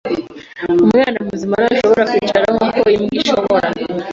Umwana muzima ntashobora kwicara nkuko imbwa ishobora.